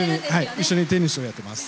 一緒にテニスをやってます。